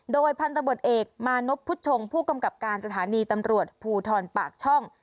โดยพันธบทเอกมานพพุทธชงผู้กำกับการสถานีตำรวจภูทรปากช่อง